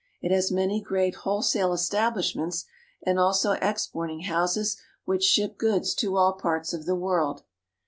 It has many great wholesale establishments and also exporting houses which ship goods to all parts of the world.